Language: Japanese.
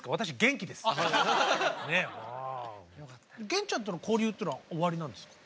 源ちゃんとの交流っていうのはおありなんですか？